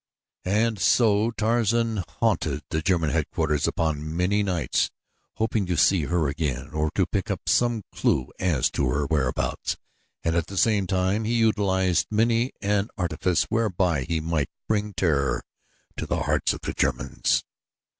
And so Tarzan haunted German headquarters upon many nights hoping to see her again or to pick up some clew as to her whereabouts, and at the same time he utilized many an artifice whereby he might bring terror to the hearts of the Germans.